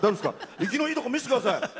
生きのいいところ見せてください。